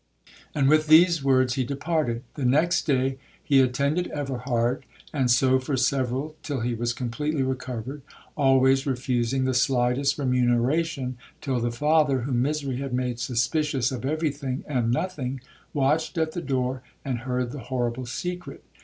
And with these words he departed. The next day he attended Everhard, and so for several, till he was completely recovered, always refusing the slightest remuneration, till the father, whom misery had made suspicious of every thing and nothing, watched at the door, and heard the horrible secret.